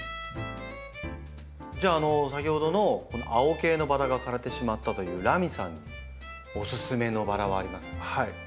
先ほどの青系のバラが枯れてしまったというらみさんにおすすめのバラはありますか？